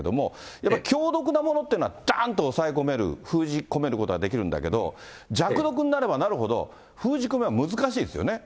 やっぱり強力なものっていうのは、だーんと抑え込める、封じ込めることができるんだけども、弱毒になればなるほど、封じ込めは難しいですよね。